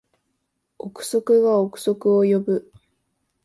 憶測が憶測を呼ぶ